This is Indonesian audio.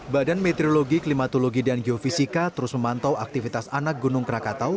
badan meteorologi klimatologi dan geofisika terus memantau aktivitas anak gunung krakatau